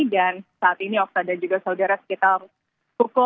dan saat ini osta dan juga saudara sekitar pukul setengah sepuluh ambulans ambulans ini